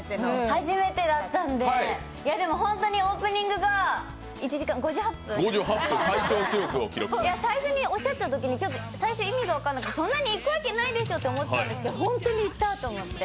初めてだったんで、でも本当にオープニングが５８分最初におっしゃったときに、意味が分からなくてそんなにいくわけないでしょと思ってたんですけど、本当にいったと思って。